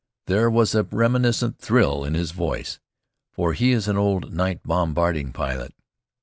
There was a reminiscent thrill in his voice, for he is an old night bombarding pilot.